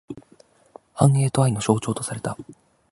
繁栄と愛の象徴とされた。